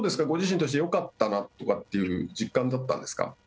ご自身としてよかったかなという実感だったんですか。